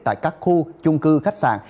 tại các khu chung cư khách sạn